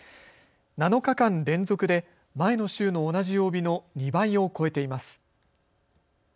７日間連続で前の週の同じ曜日の２倍を超えています。